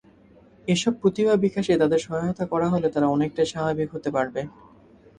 এসব প্রতিভা বিকাশে তাদের সহায়তা করা হলে তারা অনেকটাই স্বাভাবিক হতে পারবে।